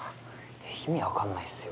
意味わかんないっすよ